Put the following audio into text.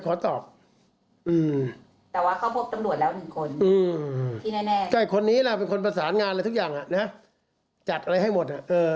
ใช่คนนี้แหละเป็นคนประสานงานอะไรทุกอย่างนะจัดอะไรให้หมด